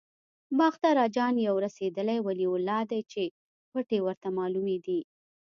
باختر اجان یو رسېدلی ولي الله دی چې پټې ورته معلومې دي.